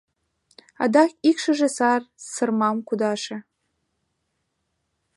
«Адак ик шыже сар сырмам кудаше...»